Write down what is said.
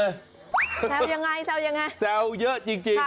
แซวยังไงแซวเยอะจริง